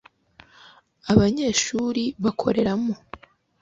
abanyeshuri bakoreramo